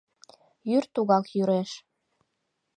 Йӱр тугак йӱреш.